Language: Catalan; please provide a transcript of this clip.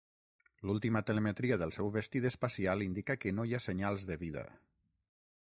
L'última telemetria del seu vestit espacial indica que no hi ha senyals de vida.